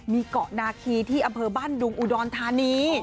มีเกาะนาคีที่อำเภอบ้านดุงอุดรธานี